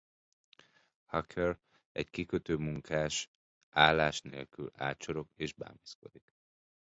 Hacker, egy kikötőmunkás, állás nélkül ácsorog és bámészkodik.